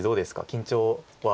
緊張は。